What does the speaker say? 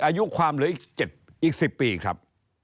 อายุความเหลืออีก๑๐ปีครับ